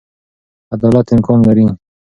عدالت امکان لري.